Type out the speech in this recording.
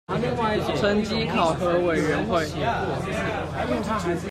成績考核委員會